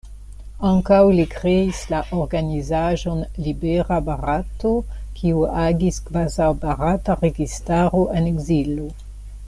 Ankaŭ li kreis la organizaĵon Libera Barato, kiu agis kvazaŭ barata registaro en ekzilo.